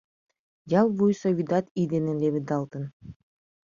Ял вуйысо вӱдат ий дене леведалтын.